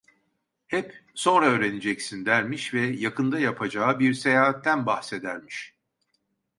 Hep: "Sonra öğreneceksin!" dermiş ve yakında yapacağı bir seyahatten bahsedermiş.